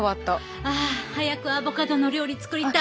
ああ早くアボカドの料理作りたい！